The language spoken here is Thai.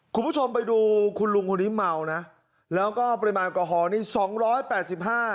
คุณผู้ชมไปดูคุณลุงคนนี้เมานะแล้วก็ปริมาณแอลกอฮอลนี่สองร้อยแปดสิบห้า